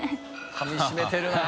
かみ締めてるなぁ。